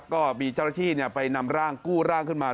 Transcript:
ก็มีเจ้าหน้าที่ไปนำร่างกู้ร่างขึ้นมา